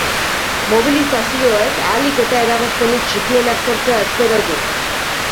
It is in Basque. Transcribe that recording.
Mobilizazioek ahalik eta eragozpenik txikienak sortzea espero du.